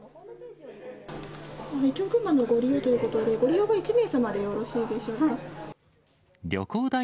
愛郷ぐんまのご利用ということで、ご利用は１名様でよろしいでしょうか。